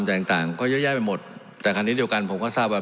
ต่างต่างก็เยอะแยะไปหมดแต่คราวนี้เดียวกันผมก็ทราบว่า